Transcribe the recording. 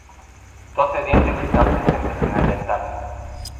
Doce dientes están presentes en el dentario.